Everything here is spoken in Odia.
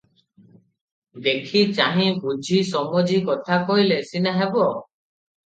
ଦେଖି ଚାହିଁ ବୁଝି ସମଜି କଥା କହିଲେ ସିନା ହେବ ।